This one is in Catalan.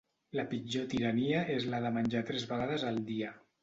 La pitjor tirania és la de menjar tres vegades al dia.